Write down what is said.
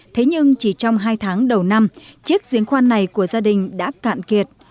thế nhưng chỉ trong hai tháng đầu năm chiếc diễn khoan này của gia đình đã cạn kiệt